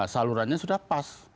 salurannya sudah pas